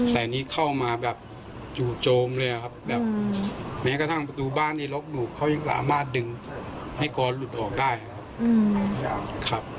แต่อันนี้เข้ามาแบบจู่โจมเลยครับแบบแม้กระทั่งประตูบ้านที่ล็อกหลูบเขายังสามารถดึงให้กรหลุดออกได้ครับ